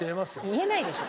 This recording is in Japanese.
言えないでしょ。